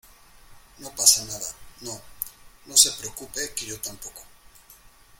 no pasa nada. no, no se preocupe que yo tampoco